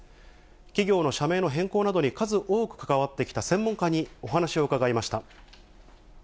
企業の社名の変更などに数多く関わってきた専門家にお話を伺いました。